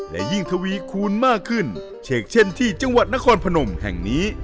และยิ่งทวีคูณมากขึ้นเฉกเช่นที่จังหวัดนครพนมแห่งนี้